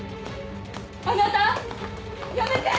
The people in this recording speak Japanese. あなたやめて！